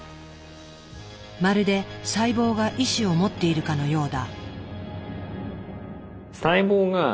まるで細胞が意思を持っているかのようだ。